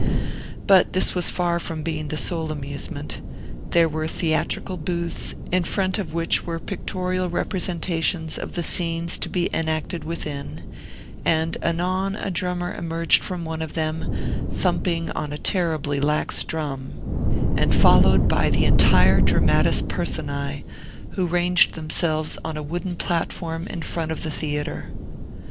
But this was far from being the sole amusement. There were theatrical booths, in front of which were pictorial representations of the scenes to be enacted within; and anon a drummer emerged from one of them, thumping on a terribly lax drum, and followed by the entire dramatis personae, who ranged themselves on a wooden platform in front of the theatre.